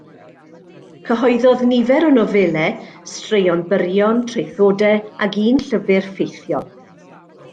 Cyhoeddodd nifer o nofelau, straeon byrion, traethodau, ac un llyfr ffeithiol.